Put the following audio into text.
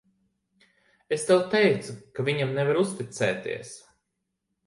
Es tev teicu, ka viņam nevar uzticēties.